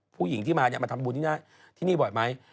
ผู้หญิงที่มาเนี่ยมาทำบุญที่นี่บ่อยไหม